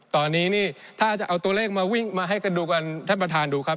ตอนนี้นี่ถ้าจะเอาตัวเลขมาวิ่งมาให้กันดูกันท่านประธานดูครับ